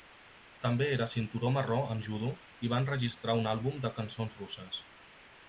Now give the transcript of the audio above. També era cinturó marró en judo i va enregistrar un àlbum de cançons russes.